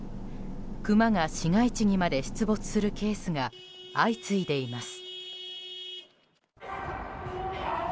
クマが市街地にまで出没するケースが相次いでいます。